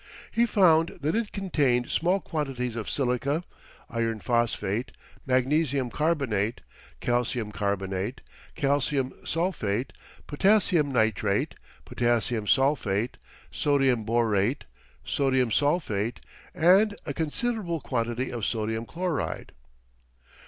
He found that it contained small quantities of silica, iron phosphate, magnesium carbonate, calcium carbonate, calcium sulphate, potassium nitrate, potassium sulphate, sodium borate, sodium sulphate, and a considerable quantity of sodium chloride.